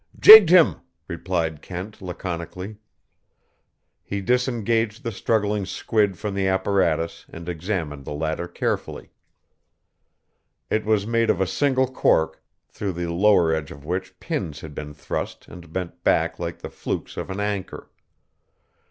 "Jigged him," replied Kent laconically. He disengaged the struggling squid from the apparatus and examined the latter carefully. It was made of a single cork, through the lower edge of which pins had been thrust and bent back like the flukes of an anchor.